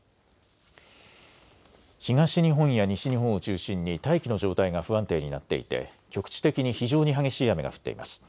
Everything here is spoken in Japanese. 東日本や西日本を中心に大気の状態が不安定になっていて局地的に非常に激しい雨が降っています。